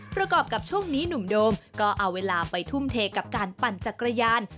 กับช่วงนี้หนุ่มโดมก็เอาเวลาไปทุ่มเทกับการปั่นจักรยาน